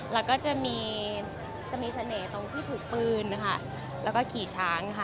แล้วก็จะมีจะมีเสน่ห์ตรงที่ถูกปืนนะคะแล้วก็ขี่ช้างค่ะ